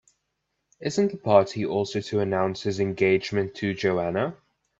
Isn't the party also to announce his engagement to Joanna?